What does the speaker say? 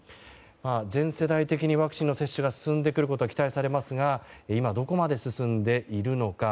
全世代的にワクチン接種が進んでくることが期待されますが今どこまで進んでいるのか。